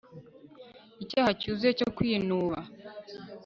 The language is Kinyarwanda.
Icyaha cyuzuye cyo kwinuba